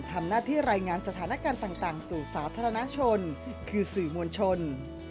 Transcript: รายงานสถานการณ์ต่างสู่สาธารณชนคือสื่อมวลชน